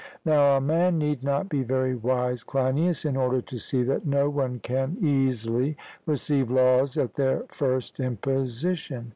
Now a man need not be very wise, Cleinias, in order to see that no one can easily receive laws at their first imposition.